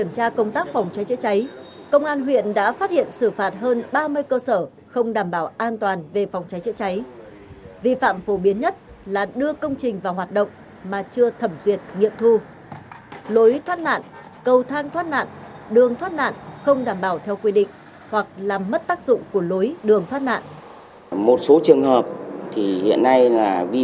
đường thoát nạn không đảm bảo theo quy định hoặc làm mất tác dụng của lối đường thoát nạn